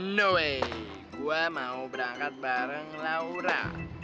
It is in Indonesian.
no way gue mau berangkat bareng laura